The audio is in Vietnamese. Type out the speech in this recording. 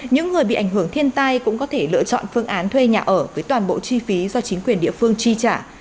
những người bị ảnh hưởng thiên tai cũng có thể lựa chọn phương án thuê nhà ở với toàn bộ chi phí do chính quyền địa phương chi trả